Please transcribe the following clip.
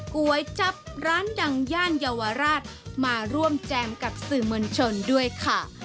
ก๋วยจับร้านดังย่านเยาวราชมาร่วมแจมกับสื่อมวลชนด้วยค่ะ